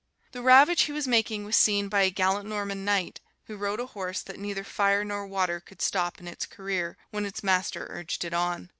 The ravage he was making was seen by a gallant Norman knight, who rode a horse that neither fire nor water could stop in its career, when its master urged it on.